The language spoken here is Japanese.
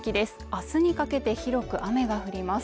明日にかけて広く雨が降ります